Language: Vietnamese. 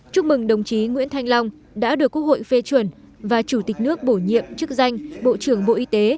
chúc mừng đồng chí nguyễn thanh long đã được quốc hội phê chuẩn và chủ tịch nước bổ nhiệm chức danh bộ trưởng bộ y tế